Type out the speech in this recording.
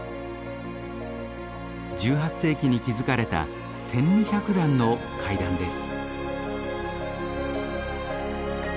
１８世紀に築かれた１，２００段の階段です。